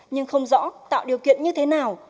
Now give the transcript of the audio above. nhưng không rõ tạo điều kiện như thế nào